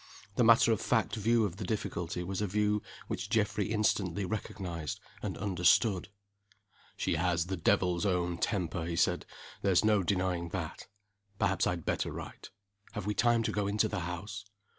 The matter of fact view of the difficulty was a view which Geoffrey instantly recognized and understood. "She has the devil's own temper," he said. "There's no denying that. Perhaps I'd better write. Have we time to go into the house?"